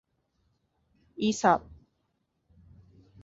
いいさ。